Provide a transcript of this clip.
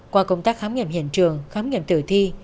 qua công tác khám nghiệm hiện trường khám nghiệm tử thi